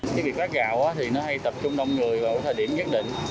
cái việc phát gạo thì nó hay tập trung đông người vào thời điểm nhất định